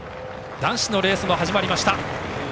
男子のレースも始まりました。